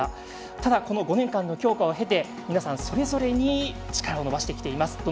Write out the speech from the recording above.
ただ、この５年間の強化を経て皆さん、それぞれに力を伸ばしてきています。